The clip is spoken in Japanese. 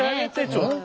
ちょっと！